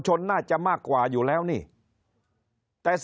คนในวงการสื่อ๓๐องค์กร